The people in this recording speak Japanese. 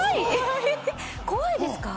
怖いですか？